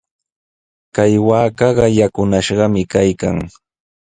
Kay waakaqa yakunashqami kaykan.